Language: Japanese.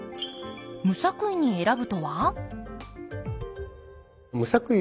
無作為に選ぶとは？